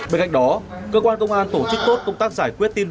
bên cạnh đó cơ quan công an tổ chức tốt công tác giải quyết tin